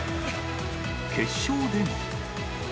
決勝でも。